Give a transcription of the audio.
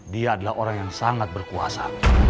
dia adalah orang yang sangat berkuasa